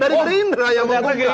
dari gibran yang menggugat